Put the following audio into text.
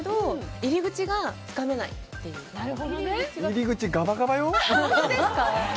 入り口、ガバガバよ？